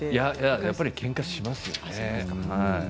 やっぱりけんかをしますよね。